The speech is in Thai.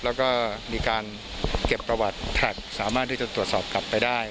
แล้วก็มีการเก็บประวัติแท็กสามารถที่จะตรวจสอบกลับไปได้